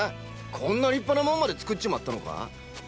こんな立派なモンまで作っちまったのか？